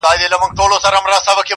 زه په مین سړي پوهېږم؛